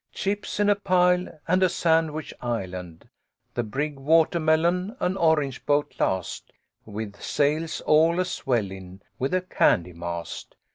Chips in a pile, and A Sandwich Island. The Brig Watermelon An orange boat last With sails all a swellin'. With a candy mast.